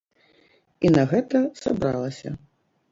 І на гэта сабралася.